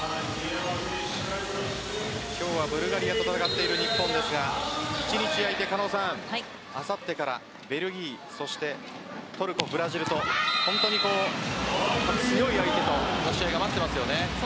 今日はブルガリアと戦っている日本ですが１日空いてあさってからベルギーそしてトルコ、ブラジルと本当に強い相手との試合が待っていますよね。